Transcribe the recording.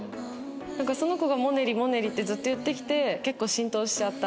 その子がもねりもねりってずっと言ってきて結構浸透しちゃった。